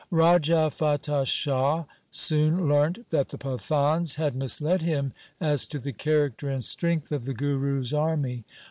Raja Fatah Shah soon learnt that the Pathans had misled him as to the character and strength of the Guru's army.